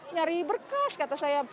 nyari berkas kata saya